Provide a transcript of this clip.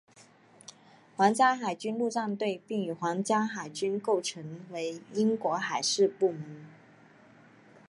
皇家海军陆战队并与皇家海军构成为英国海事部门。